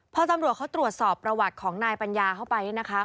พอตำรวจเขาตรวจสอบประวัติของนายปัญญาเข้าไปเนี่ยนะคะ